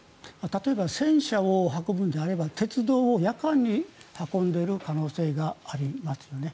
例えば戦車を運ぶのであれば鉄道で夜間に運んでいる可能性がありますね。